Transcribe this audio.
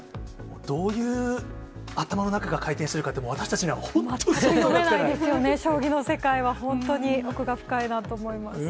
どういう頭の中が回転してる読めないですよね、将棋の世界は本当に、奥が深いなと思います。